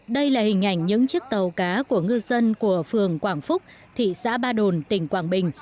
đây là hình ảnh những chiếc tàu cá của ngư dân của phường quảng phúc thị xã ba đồn tỉnh quảng bình